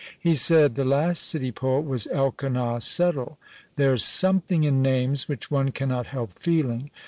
He said, "The last city poet was Elkanah Settle. There is something in names which one cannot help feeling.